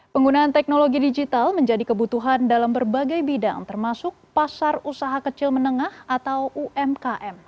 penggunaan teknologi digital menjadi kebutuhan dalam berbagai bidang termasuk pasar usaha kecil menengah atau umkm